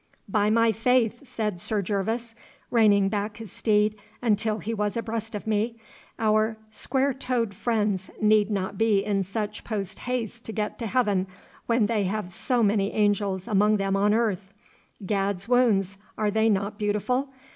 'By my faith!' said Sir Gervas, reining back his steed until he was abreast of me, 'our square toed friends need not be in such post haste to get to heaven when they have so many angels among them on earth. Gad's wounds, are they not beautiful?